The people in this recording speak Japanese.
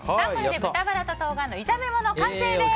豚バラと冬瓜の炒め物完成です！